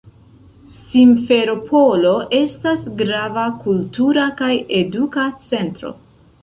Simferopolo estas grava kultura kaj eduka centro.